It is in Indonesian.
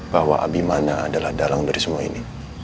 bahwa abimannya adalah dalang dari semua ini